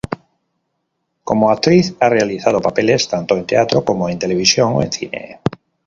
Como actriz, ha realizado papeles tanto en teatro como en televisión o en cine.